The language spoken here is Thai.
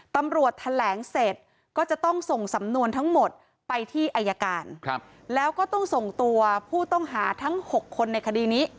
ตำรวจแถลงเสร็จก็จะต้องส่งสำนวนทั้งหมดไปที่อายการแล้วก็ต้องส่งตัวผู้ต้องหาทั้ง๖คนในคดีนี้